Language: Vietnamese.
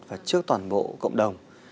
và trước toàn bộ cộng đồng